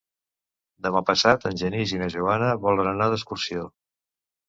Demà passat en Genís i na Joana volen anar d'excursió.